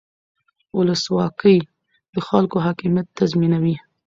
ولسواکي د خلکو حاکمیت تضمینوي